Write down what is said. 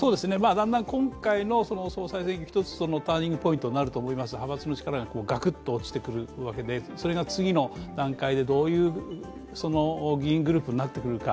だんだん今回の総裁選挙のターニングポイントになると思います、派閥の力がガクッと落ちてくるわけでそれが次の段階でどういう議員グループになってくるか。